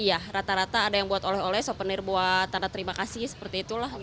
iya rata rata ada yang buat oleh oleh souvenir buat tanda terima kasih seperti itulah